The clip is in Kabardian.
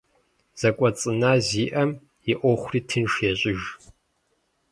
Зэкӏуэцӏына зиӏэм и ӏуэхури тынш ещӏыж.